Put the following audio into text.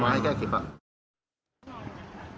น้ำน้องเขาให้แกะคลิป